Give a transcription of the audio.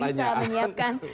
harus sudah bisa menyiapkan